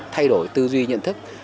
thay đổi tư duy nhận thức